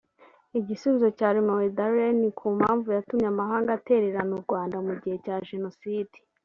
Igisubizo cya Romeo Dallaire ku mpamvu yatumye amahanga atererana u Rwanda mu gihe cya Jenoside